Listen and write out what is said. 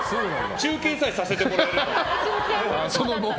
中継さえさせてもらえれば。